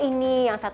ini yang satu